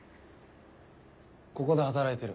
ここで働いてる。